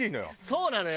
そうなのよ！